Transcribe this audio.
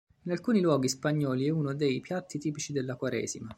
In alcuni luoghi spagnoli è uno dei piatti tipici della quaresima.